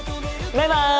バイバイ！